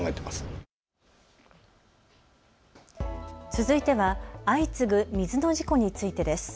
続いては相次ぐ水の事故についてです。